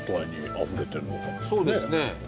そうですね。